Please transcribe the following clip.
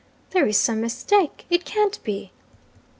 'There is some mistake it can't be!'